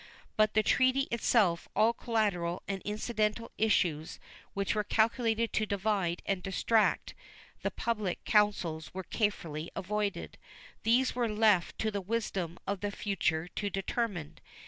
By the treaty itself all collateral and incidental issues which were calculated to divide and distract the public councils were carefully avoided. These were left to the wisdom of the future to determine.